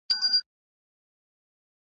د هرچا به له سفر څخه زړه شین وو ,